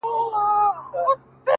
هغه وای نه چي څوم چي ويني سجده نه کوي!